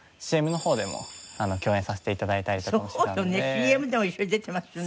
ＣＭでも一緒に出てますよね。